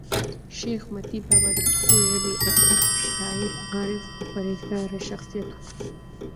شېخ متي بابا دپښتو ژبي ادیب، شاعر، عارف او پر هېزګاره شخصیت وو.